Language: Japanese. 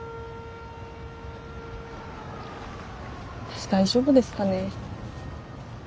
私大丈夫ですかね。